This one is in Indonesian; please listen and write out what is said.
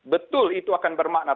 betul itu akan bermakna